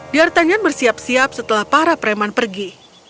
diartanyan bersiap siap setelah para preman pergi